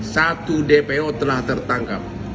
satu dpo telah tertangkap